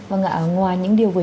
vâng ạ ngoài những điều vừa